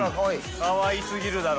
かわいすぎるだろ。